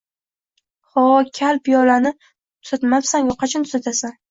Ho‘, kal, piyolani tuzatmabsan-ku, qachon tuzatasan